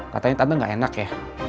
katanya tante gak enak ya